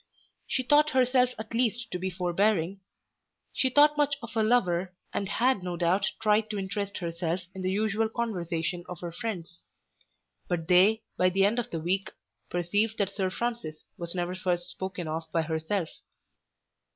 She thought herself at least to be forbearing. She thought much of her lover, and had no doubt tried to interest herself in the usual conversation of her friends. But they, by the end of the week, perceived that Sir Francis was never first spoken of by herself.